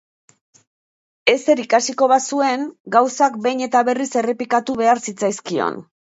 Ezer ikasiko bazuen, gauzak behin eta berriz errepikatu behar zitzaizkion.